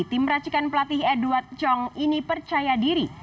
tim racikan pelatih edward chong ini percaya diri